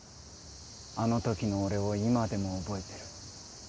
「あのときの俺を今でも覚えてる。